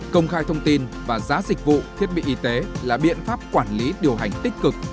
công khai thông tin và giá dịch vụ thiết bị y tế là biện pháp quản lý điều hành tích cực